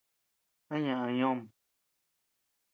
¿A ñaʼa ñoom?